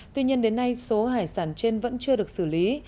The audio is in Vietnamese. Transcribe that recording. tuy nhiên đến nay số hải sản trên vẫn chưa được xử lý